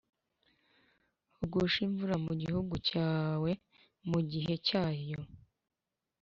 agushe imvura mu gihugu cyawe mu gihe cyayo,